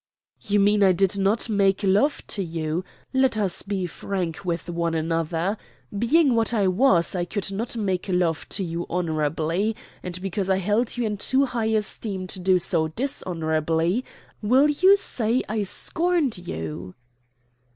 "You mean I did not make love to you. Let us be frank with one another. Being what I was, I could not make love to you honorably; and because I held you in too high esteem to do so dishonorably will you say I scorned you?"